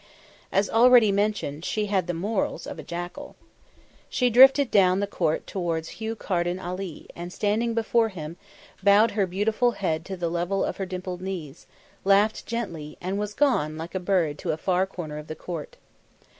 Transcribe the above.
As already mentioned, she had the morals of a jackal. She drifted down the court towards Hugh Carden Ali and, standing before him, bowed her beautiful head to the level of her dimpled knees, laughed gently, and was gone like a bird to a far corner of the court.